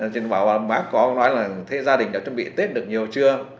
chúng tôi bảo bác có nói là gia đình đã chuẩn bị tết được nhiều chưa